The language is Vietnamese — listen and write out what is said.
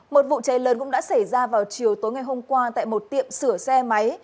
một vụ cháy lớn cũng đã xảy ra vào chiều tối ngày hôm qua tại một tiệm sửa xe máy